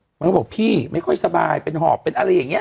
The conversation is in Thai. มันก็บอกพี่ไม่ค่อยสบายเป็นหอบเป็นอะไรอย่างนี้